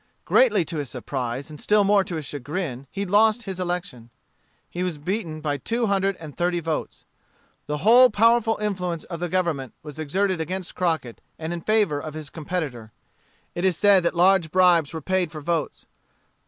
Greatly to his surprise, and still more to his chagrin, he lost his election. He was beaten by two hundred and thirty votes. The whole powerful influence of the Government was exerted against Crockett and in favor of his competitor. It is said that large bribes were paid for votes.